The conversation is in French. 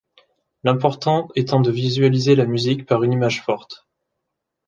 L’important étant de visualiser la musique par une image forte.